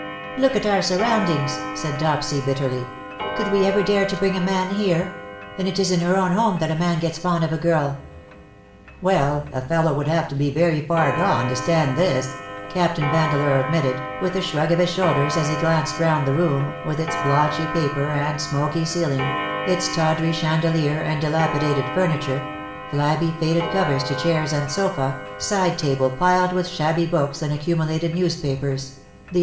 '^ Look at our surroundings," said Dopsy bitterly. " Could we ever dare to bring a man here ; and it is in her own home that a man gets fond of a girl." '' Well, a fellow would have to be very far gone to stand this," Captain Vandeleur admitted, with a shrug of his shoulders, as he glanced round the room, with its blotchy paper, and smoky ceiling, its tawdry chandelier, and dilapidated furniture, flabby faded covers to chairs and sofa, side table piled with shabby books and accumulated newspapers, the WE DRAW NIGH THEE."